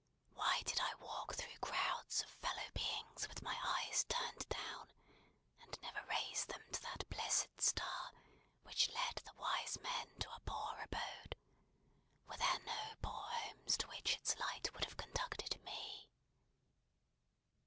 Why did I walk through crowds of fellow beings with my eyes turned down, and never raise them to that blessed Star which led the Wise Men to a poor abode! Were there no poor homes to which its light would have conducted me!"